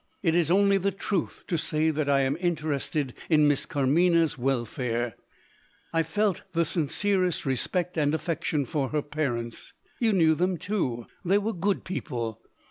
It is only the truth to say that I am interested in Miss Carmina's welfare. I felt the sincerest respect and affection for her parents. You knew them too. They were good people.